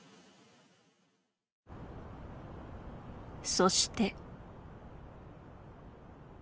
そして。